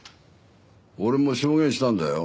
俺も証言したんだよ。